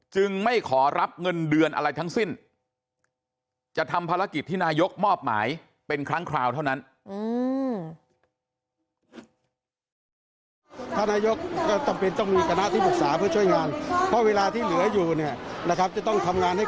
ไม่ขอรับเงินเดือนอะไรทั้งสิ้นจะทำภารกิจที่นายกมอบหมายเป็นครั้งคราวเท่านั้น